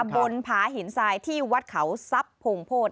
บนผาหินทรายที่วัดเขาซับโพงโภช